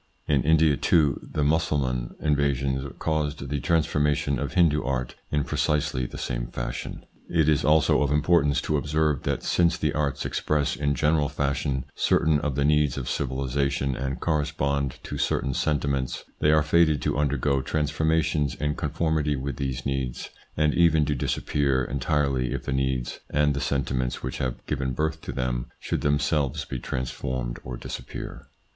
In India, too, the Mussulman invasions caused the transformation of Hindoo art in precisely the same fashion. It is also of importance to observe, that since the arts express in general fashion certain of the needs of civilisation and correspond to certain sentiments, they are fated to undergo transformations in con formity with these needs, and even to disappear entirely if the needs and the sentiments which have given birth to them should themselves be transformed or disappear.